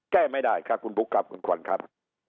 แก้ไม่ได้ครับคุณบุ๊คครับคุณขวัญครับ